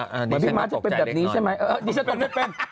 เหมือนพี่มาร์ทจะเป็นแบบนี้ใช่ไหม